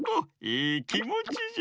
いいきもちじゃ。